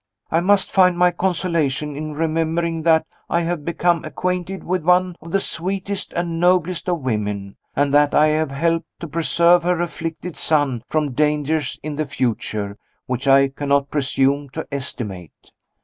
I must find my consolation in remembering that I have become acquainted with one of the sweetest and noblest of women, and that I have helped to preserve her afflicted son from dangers in the future which I cannot presume to estimate.